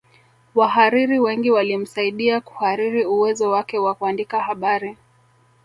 Wahariri wengi walimsaidia kuhariri uwezo wake wa kuandika habari